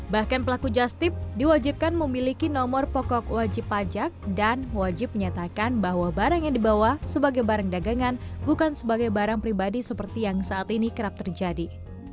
bahkan pelaku justip diwajibkan memiliki nomor pokok wajib pajak dan wajib menyatakan bahwa barang yang dibawa sebagai barang dagangan bukan sebagai barang pribadi seperti yang saat ini kerap terjadi